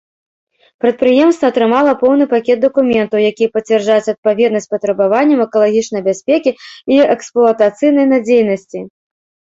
Прадпрыемства атрымала поўны пакет дакументаў, якія пацвярджаюць адпаведнасць патрабаванням экалагічнай бяспекі і эксплуатацыйнай надзейнасці.